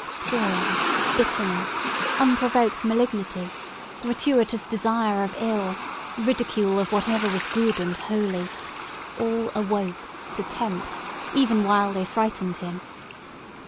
Scorn, bitterness, unprovoked malignity, gratuitous desire of ill, ridicule of whatever was good and holy, all awoke to tempt, even while they frightened him.